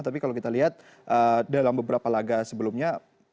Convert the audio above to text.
tapi kalau kita lihat dalam beberapa laga sebelumnya